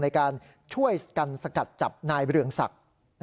ในการช่วยกันสกัดจับนายเรืองศักดิ์